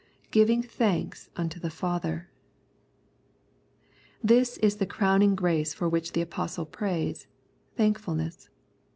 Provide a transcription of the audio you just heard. " Giving thanks unto the Father.^'' This is the crowning grace for which the Apostle prays — thankfulness.